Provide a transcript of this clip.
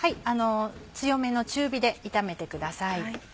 強めの中火で炒めてください。